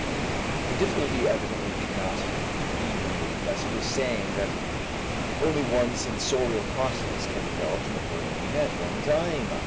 The difficulty evidently cannot be removed by simply saying that only one sensorial process can be developed in the brain at one time.